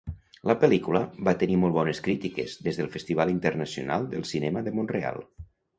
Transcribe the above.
La pel·lícula va tenir molt bones crítiques des del Festival Internacional del Cinema de Mont-real.